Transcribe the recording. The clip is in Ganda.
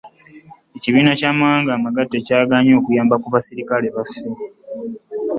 Ekibiina ky'amawanga amagate kyaganye okuyamba ku basirikale b'eggwanga lyaffe.